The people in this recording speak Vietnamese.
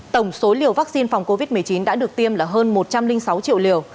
tổng số liều vaccine phòng covid một mươi chín đã được tiêm là hơn một trăm linh sáu triệu liều